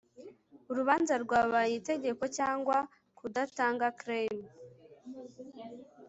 urubanza rwabaye itegeko cyangwa kudatanga claim